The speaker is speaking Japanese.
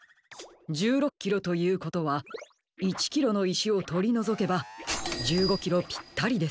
１６キロということは１キロのいしをとりのぞけば１５キロぴったりです。